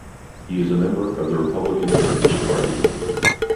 He is a member of the Republican Turkish Party.